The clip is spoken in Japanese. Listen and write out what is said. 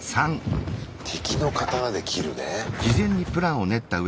敵の刀で斬るね。